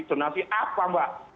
donasi apa mbak